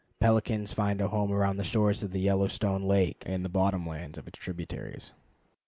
Pelicans find a home around the shores of Yellowstone Lake and the bottom lands of its tributaries.